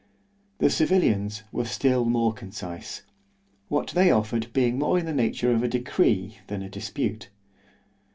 The civilians were still more concise: what they offered being more in the nature of a decree——than a dispute.